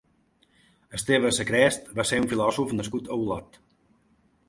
Esteve Sacrest va ser un filòsof nascut a Olot.